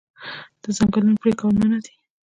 د ځنګلونو پرې کول منع دي.